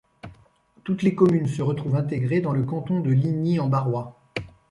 Toutes les communes se retrouvent intégrées dans le canton de Ligny-en-Barrois.